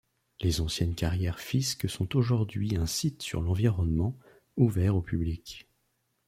Les anciennes carrières Fisk sont aujourd'hui un site sur l'environnement, ouvert au public.